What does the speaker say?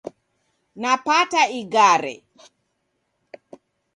Napata ighare